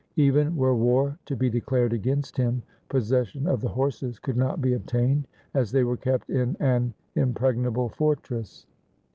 Even were war to be declared against him, possession of the horses could not be obtained, as they were kept in an impregnable fortress.